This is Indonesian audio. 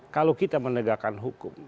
kalau kita menegakkan hukum